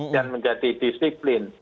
dan menjadi disiplin